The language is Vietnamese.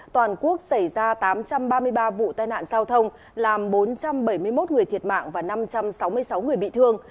toàn quốc xảy ra tám trăm ba mươi ba vụ tai nạn giao thông làm bốn trăm bảy mươi một người thiệt mạng và năm trăm sáu mươi sáu người bị thương